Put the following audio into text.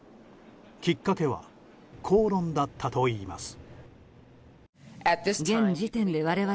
きっかけは口論だったといいます。